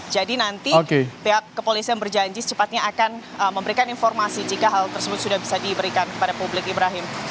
jadi nanti pihak kepolisian berjanji secepatnya akan memberikan informasi jika hal tersebut sudah bisa diberikan kepada publik ibrahim